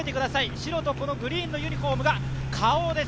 白とこのグリーンのユニフォームがＫａｏです。